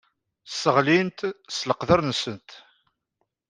Sseɣlint s leqder-nsent.